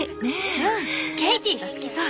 うんケイティが好きそう！